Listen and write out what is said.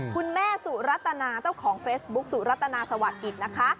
คุณแม่สุรัตนาเจ้าของเฟซบุ๊กสุรัตนาสวัสดิกิจนะคะ